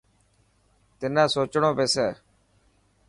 تنان سوچڻو پيسي.